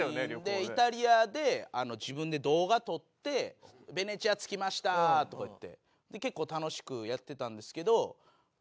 イタリアで自分で動画撮って「ベネチア着きました！」とかいって結構楽しくやってたんですけど。